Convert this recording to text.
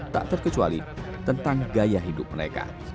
tak terkecuali tentang gaya hidup mereka